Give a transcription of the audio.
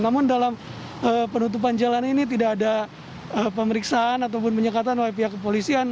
namun dalam penutupan jalan ini tidak ada pemeriksaan ataupun penyekatan oleh pihak kepolisian